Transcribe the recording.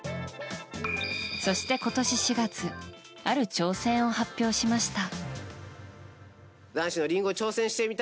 そして今年４月ある挑戦を発表しました。